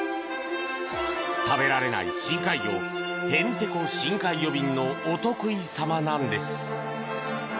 食べられない深海魚ヘンテコ深海魚便のお得意様なんです。